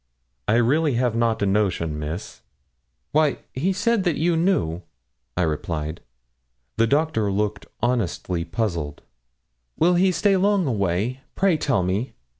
'I really have not a notion, Miss.' 'Why, he said that you knew,' I replied. The Doctor looked honestly puzzled. 'Will he stay long away? pray tell me.'